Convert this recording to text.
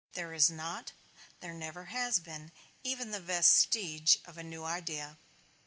There is not, there never has been, even the vestige of a new idea.